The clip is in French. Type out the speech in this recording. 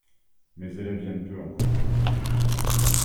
Mes élèves viennent peu en cours.